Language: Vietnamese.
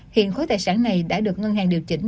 hiện khối tài sản này đã được ngân hàng điều chỉnh